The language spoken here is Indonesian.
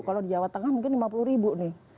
kalau di jawa tengah mungkin lima puluh ribu nih